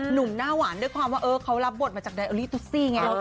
หนุ่มหน้าหวานด้วยความว่าเขารับบทมาจากไดโอลี่ตุซี่ไง